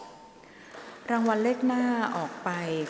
ออกรางวัลเลขหน้า๓ตัวครั้งที่๒